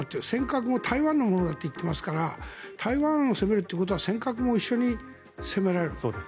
尖閣も台湾のものだと言っていますから台湾を攻めるということは尖閣も一緒に攻められる。